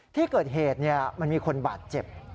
ที่เกิดเหตุมันมีคนบาดเจ็บ